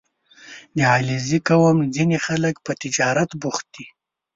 • د علیزي قوم ځینې خلک په تجارت بوخت دي.